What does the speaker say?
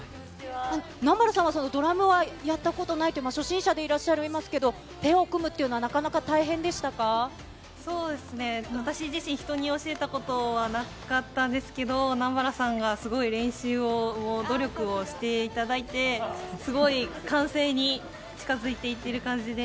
南原さんはドラムはやったことないと、初心者でいらっしゃいますけども、ペアを組むっていうそうですね、私自身、人に教えたことはなかったんですけど、南原さんがすごい練習を、努力をしていただいて、すごい完成に近づいていってる感じです。